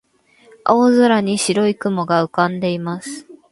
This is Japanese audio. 青空に白い雲が浮かんでいます。